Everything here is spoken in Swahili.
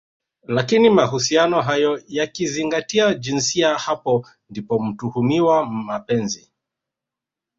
lakini mahusiano hayo yakizingatia jinsia hapo ndipo mtuhumiwa Mapenzi